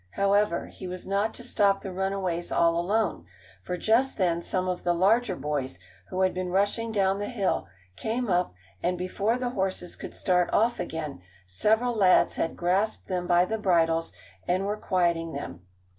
However, he was not to stop the runaways all alone, for just then some of the larger boys, who had been rushing down the hill, came up, and before the horses could start off again several lads had grasped them by the bridles and were quieting them.